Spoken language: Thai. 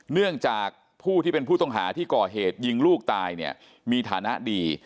เนื่องจากผู้ที่เป็นผู้ต้องหาที่ก่อเหตุยิงลูกตายเนี่ยมีฐานะดี